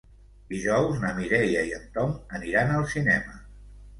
Dijous na Mireia i en Tom aniran al cinema.